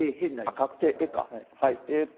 確定へか。